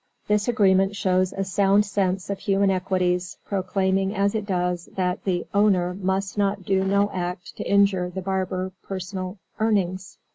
This agreement shows a sound sense of human equities, proclaiming as it does that "the owner must not do no act to injure the barber personal earnings."